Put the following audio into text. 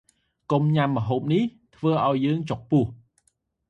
កុំញ៉ាំម្ហូបនេះ វាធ្វើឱ្យយើងចុកពោះ ។